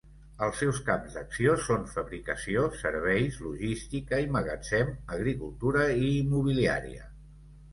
Els seus camps d'acció són fabricació, serveis, logística i magatzem, agricultura i immobiliària.